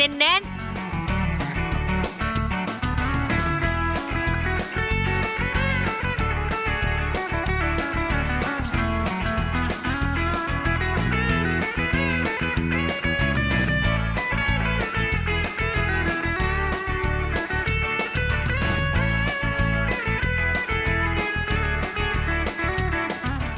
อันนี้คือก็จะลวดลายที่สุดท้าย